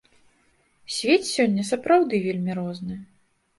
Свет сёння сапраўды вельмі розны.